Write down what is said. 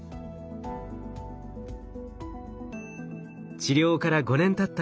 治療から５年たった